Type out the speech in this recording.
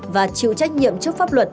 và chịu trách nhiệm trước pháp luật